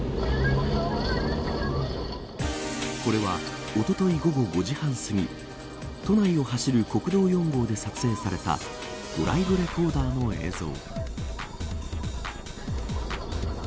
これはおととい午後５時半すぎ都内を走る国道４号で撮影されたドライブレコーダーの映像。